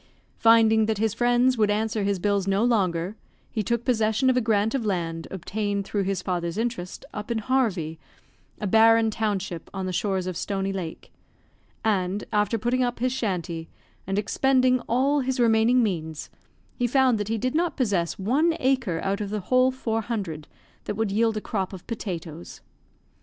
Finding that his friends would answer his bills no longer, he took possession of a grant of land obtained through his father's interest, up in Harvey, a barren township on the shores of Stony Lake; and, after putting up his shanty, and expending all his remaining means, he found that he did not possess one acre out of the whole four hundred that would yield a crop of potatoes.